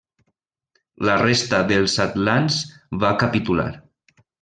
La resta dels atlants van capitular.